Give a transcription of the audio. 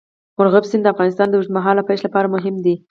مورغاب سیند د افغانستان د اوږدمهاله پایښت لپاره مهم دی.